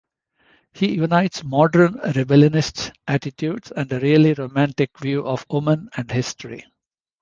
He unites modern rebellionist attitudes and a really romantic view of women and history.